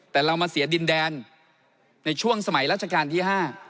แต่เรามาเสียดินแดนในช่วงสมัยราชการที่๕